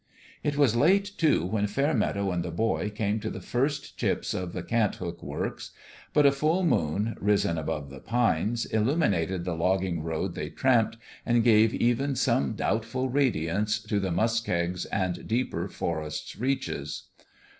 It was late, too, when Fairmeadow and the boy came to the first chips of the Cant hook 276 BOUND THROUGH works ; but a full moon, risen above the pines, illuminated the logging road they tramped and gave even some doubtful radiance to the muskegs and deeper forest reaches.